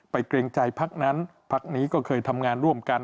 เกรงใจพักนั้นพักนี้ก็เคยทำงานร่วมกัน